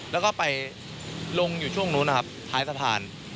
แล้วก็ไปลงอยู่ช่วงนู้นนะครับท้ายสะพาน